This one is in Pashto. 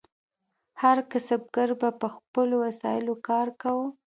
هر کسبګر به په خپلو وسایلو کار کاوه.